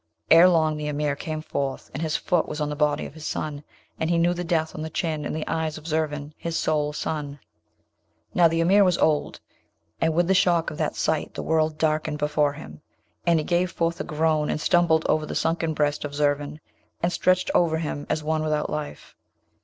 Ere long the Emir came forth, and his foot was on the body of his son, and he knew death on the chin and the eyes of Zurvan, his sole son. Now the Emir was old, and with the shock of that sight the world darkened before him, and he gave forth a groan and stumbled over the sunken breast of Zurvan, and stretched over him as one without life.